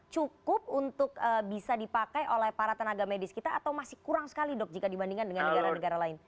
cukup untuk bisa dipakai oleh para tenaga medis kita atau masih kurang sekali dok jika dibandingkan dengan negara negara lain